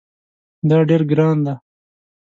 دا ډیر ګران دی